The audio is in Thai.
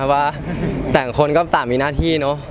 แต่อย่างคนก็มีหน้าที่เนอะ